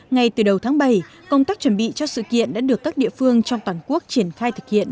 ngay từ đầu tháng bảy công tác chuẩn bị cho sự kiện đã được các địa phương trong toàn quốc triển khai thực hiện